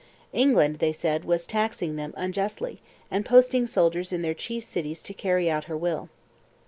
England, they said, was taxing them unjustly and posting soldiers in their chief cities to carry out her will.